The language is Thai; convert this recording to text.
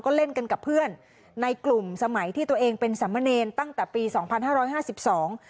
ก็เล่นกันกับเพื่อนในกลุ่มสมัยที่ตัวเองเป็นสามเณรตั้งแต่ปีสองพันห้าร้อยห้าสิบสอง